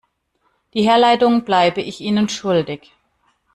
Die Herleitung bleibe ich Ihnen schuldig.